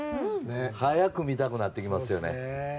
早く見たくなってきますよね。